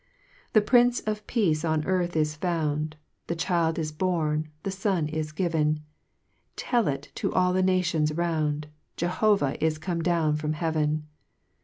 S The Prince of Peace on earth is found, The Child is born, the Son is given ; Tell it to all the nations round, Jehovah is come down from heaven.